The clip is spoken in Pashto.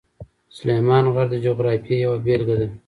سلیمان غر د جغرافیې یوه بېلګه ده.